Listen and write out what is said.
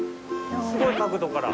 すごい角度から。